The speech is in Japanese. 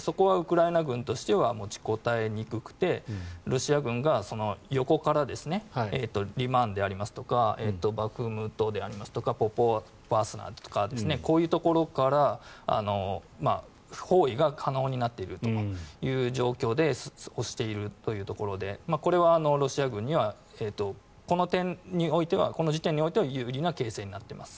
そこはウクライナ軍としては持ちこたえにくくてロシア軍が横からリマンであるとかバフムトであるとかポパスナですとかこういうところから包囲が可能になっているという状況で押しているというところでこれはロシア軍にはこの時点においては有利な形勢になっています。